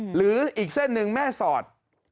หรืออีกเส้นหนึ่งแม่สอด